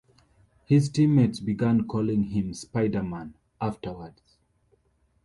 His teammates began calling him "Spiderman" afterwards.